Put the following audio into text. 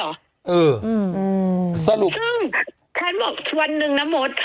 เอออืออือสรุปซึ่งฉันบอกวันหนึ่งน่ะโมส